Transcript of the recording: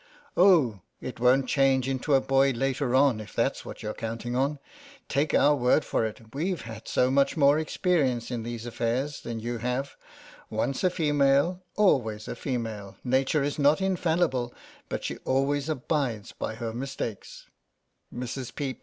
Oh, it won't change into a boy later on, if that's what you're counting on. Take our word for it ; we've had so much more experience in these affairs than you have. Once a female, always a female. Nature is not infallible, but she always abides by her mistakes. Mrs.